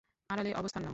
আড়ালে অবস্থান নাও।